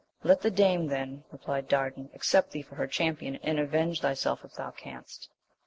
Let the dame then, replied Dardan, accept thee for her champion, and avenge thyself if thou canst.